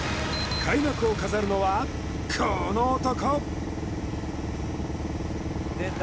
開幕を飾るのはこの男！